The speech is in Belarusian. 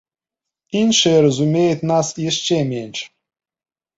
Іншыя разумеюць нас яшчэ менш.